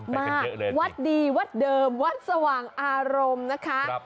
มาวัดดีวัดเดิมวัดสว่างอารมณ์นะคะ